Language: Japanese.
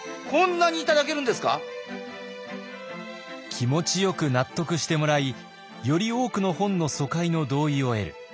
気持ちよく納得してもらいより多くの本の疎開の同意を得る。